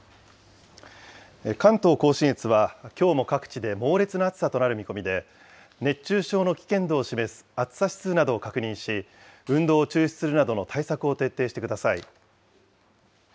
関東甲信越は、きょうも各地で猛烈な暑さとなる見込みで、熱中症の危険度を示す暑さ指数などを確認し、運動を中止するなどの対策を徹底してください。